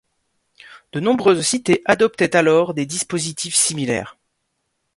De nombreuses cités adoptaient alors des dispositifs similaires.